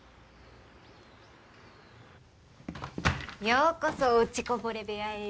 ようこそ落ちこぼれ部屋へ。